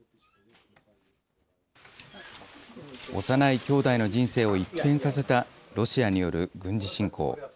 幼い兄弟の人生を一変させたロシアによる軍事侵攻。